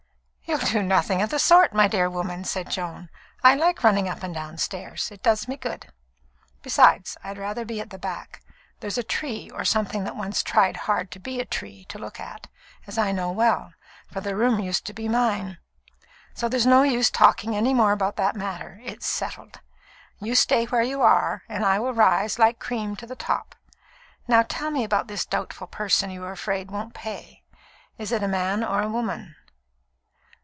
"You'll do nothing of the sort, my dear woman," said Joan. "I like running up and down stairs. It does me good. Besides, I'd rather be at the back. There's a tree, or something that once tried hard to be a tree, to look at, as I know well, for the room used to be mine; so there's no use talking any more about that matter it's settled. You stay where you are, and I will rise, like cream, to the top. Now tell me about this doubtful person you are afraid won't pay. Is it a man or a woman?"